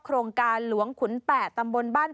โครงการหลวงขุน๘ตำบลบ้าน